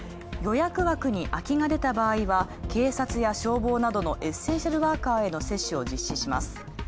予約枠に空きがでた場合は警察や消防などのエッセンシャルワーカーへの接種を実施します。